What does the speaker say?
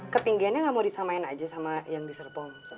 ketinggiannya nggak mau disamain aja sama yang di serpong